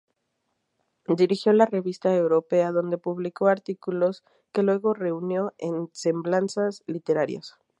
Dirigió la "Revista Europea", donde publicó artículos que luego reunió en "Semblanzas literarias".